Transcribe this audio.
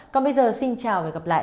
còn bây giờ xin chào và gặp lại